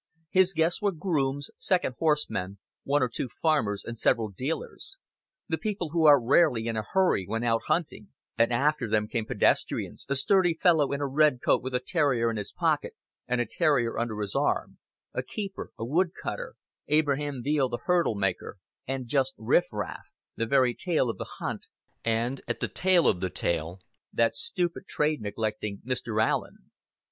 His guests were grooms, second horsemen, one or two farmers, and several dealers the people who are rarely in a hurry when out hunting; and after them came pedestrians, a sturdy fellow in a red coat with a terrier in his pocket and a terrier under his arm, a keeper, a wood cutter, Abraham Veale the hurdle maker, and just riffraff the very tail of the hunt, and, as the tail of the tail, that stupid trade neglecting Mr. Allen.